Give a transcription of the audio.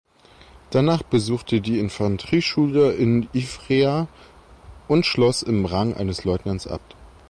Danach besuchte die Infanterieschule in Ivrea und schloss im Rang eines Leutnants ab.